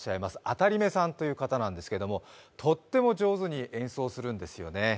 あたりめさんという方なんですがとっても上手に演奏するんですよね。